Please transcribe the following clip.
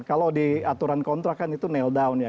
kalau di aturan kontrak kan itu nail down ya